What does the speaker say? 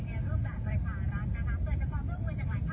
ก็จะพอบุญจากหลายทักษุทธิ์ที่ดีแล้วฮะ